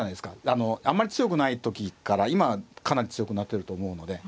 あのあんまり強くない時から今かなり強くなってると思うので。